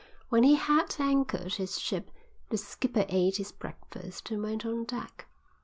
When he had anchored his ship the skipper ate his breakfast and went on deck.